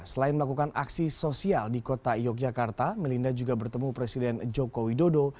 selain melakukan aksi sosial di kota yogyakarta melinda juga bertemu presiden joko widodo